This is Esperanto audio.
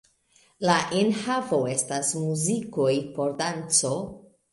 La enhavo estas muzikoj por danco.